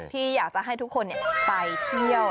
ที่อยากจะให้ทุกคนไปเที่ยว